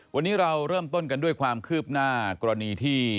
วันนี้เราเริ่มต้นกันด้วยความคืบหน้ากรณีที่